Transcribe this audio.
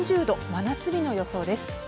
真夏日の予想です。